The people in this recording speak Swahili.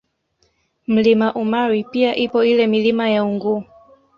Mlima Umari pia ipo ile Milima ya Unguu